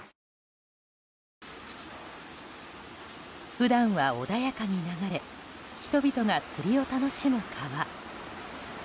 普段は穏やかに流れ人々が釣りを楽しむ川。